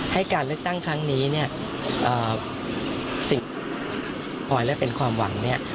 ให้การเลือกตั้งครั้งนี้เนี่ยสิ่งพอยและเป็นความหวังเนี่ย